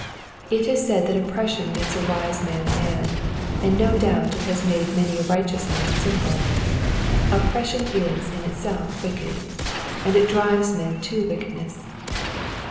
It is said that oppression makes a Tvise man maa, and no doubt it has made many a righteous man sinful. Oppression is in itself ■wicked, and it drives men to wickedness.